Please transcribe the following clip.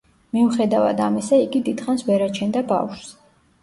მიუხედავად ამისა, იგი დიდხანს ვერ აჩენდა ბავშვს.